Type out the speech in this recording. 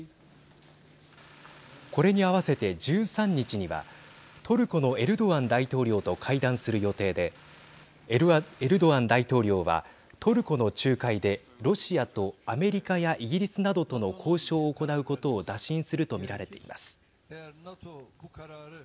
これに合わせて１３日にはトルコのエルドアン大統領と会談する予定でエルドアン大統領はトルコの仲介でロシアとアメリカやイギリスなどとの交渉を行うことを打診すると見られています。